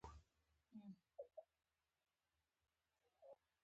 د لوګر په برکي برک کې د مسو نښې شته.